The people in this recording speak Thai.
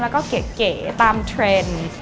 แล้วก็เก๋ตามเทรนด์